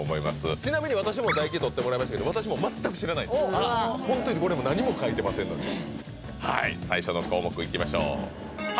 ちなみに私も唾液採ってもらいましたけど私も全く知らないんでホントにこれも何も書いてませんのではい最初の項目いきましょうあ